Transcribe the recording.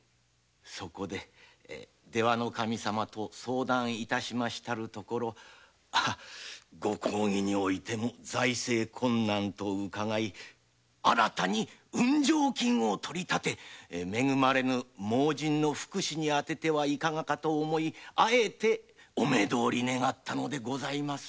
そこで出羽守様と相談致しましたるところご公儀においても財政困難と伺い新たに運上金を取り立て恵まれぬ盲人の福祉に当ててはいかがかと思いお目どおり願ったのでございます。